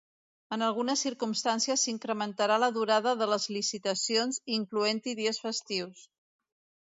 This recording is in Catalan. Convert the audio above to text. En algunes circumstàncies s'incrementarà la durada de les licitacions, incloent-hi dies festius.